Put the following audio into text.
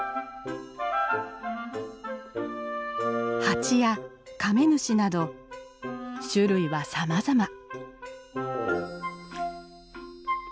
ハチやカメムシなど種類はさまざま。